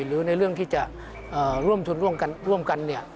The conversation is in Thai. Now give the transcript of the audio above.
หรือในเรื่องที่จะร่วมทุนร่วมกัน